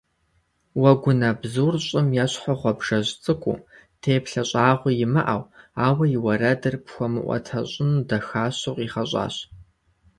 Уэгунэбзур щӏым ещхьу гъуабжэжь цӏыкӏуу, теплъэ щӏагъуи имыӏэу, ауэ и уэрэдыр пхуэмыӏуэтэщӏыну дахащэу къигъэщӏащ.